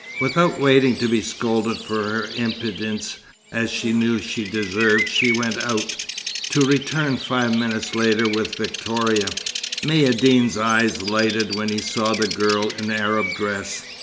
Without waiting to be scolded for her impudence, as she knew she deserved, she went out, to return five minutes later with Victoria. Maïeddine's eyes lighted when he saw the girl in Arab dress.